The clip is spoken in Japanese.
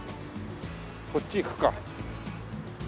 こっち行くか。